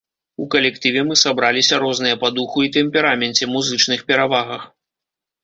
У калектыве мы сабраліся розныя па духу і тэмпераменце, музычных перавагах.